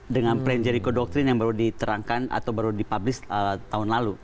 dengan plan jericho doctrine yang baru diterangkan atau baru dipublis tahun lalu